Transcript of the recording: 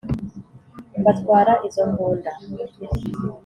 batwara izo mbunda;